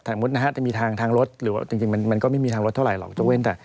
ถ้ามีทางรถหรือว่าจริงมันก็ไม่มีทางรถเท่าไหร่หรอกเจ้าเว้น